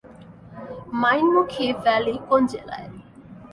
মাইনমুখী valley কোন জেলায়?